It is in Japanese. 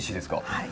はい。